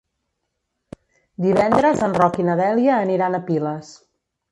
Divendres en Roc i na Dèlia aniran a Piles.